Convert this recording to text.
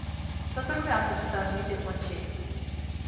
Toată lumea a făcut anumite concesii.